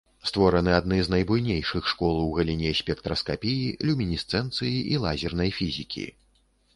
Створаны адны з найбуйнейшых школ у галіне спектраскапіі, люмінесцэнцыі і лазернай фізікі.